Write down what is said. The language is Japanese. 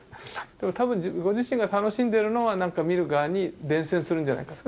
多分ご自身が楽しんでいるのが何か見る側に伝染するんじゃないか。